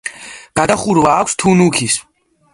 გადახურვა აქვს თუნუქის.